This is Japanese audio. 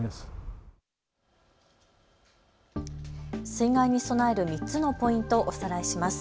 水害に備える３つのポイントおさらいします。